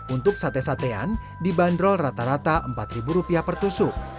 untuk sate satean dibanderol rata rata rp empat per tusuk